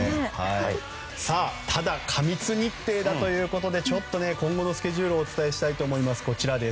ただ過密日程だということでちょっと今後のスケジュールをお伝えしたいと思います。